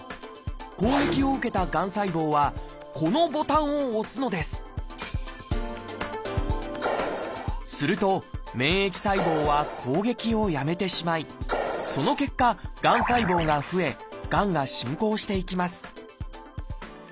攻撃を受けたがん細胞はこのボタンを押すのですすると免疫細胞は攻撃をやめてしまいその結果がん細胞が増えがんが進行していきます